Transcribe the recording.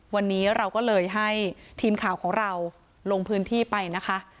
วันนี้เราก็เลยให้ทีมข่าวของเราลงพื้นที่ไปนะคะ